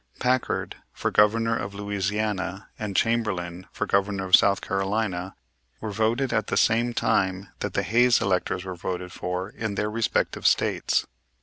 Packard, for Governor of Louisiana, and Chamberlain, for Governor of South Carolina, were voted for at the same time that the Hayes electors were voted for in their respective States.